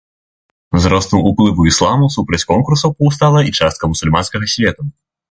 З ростам уплыву ісламу супраць конкурсаў паўстала і частка мусульманскага свету.